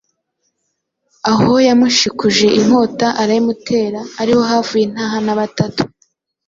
aho yamushikuje inkota arayimutera ari ho havuye intahana batatu